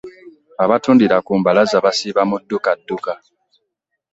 abatundira ku mbalaza basiiba mu ddukadduka.